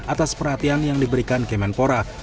atas perhatian yang diberikan kemenpora